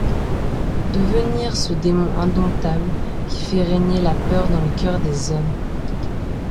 Devenir ce démon indomptable qui fait régner la peur dans le cœur des hommes.